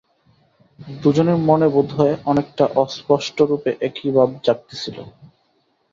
দুজনেরই মনে বোধ হয় অনেকটা অস্পষ্টরূপে একই ভাব জাগিতেছিল।